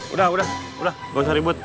udah udah udah gausah ribut